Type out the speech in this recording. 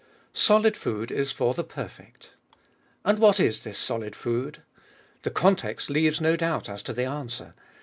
Solid food is for the perfect. And what is this solid food ? The context leaves no doubt as to the answer.